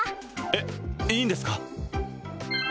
えっいいんですか？